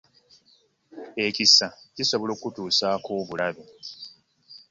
Ekisa kisobola okutusako obulabe.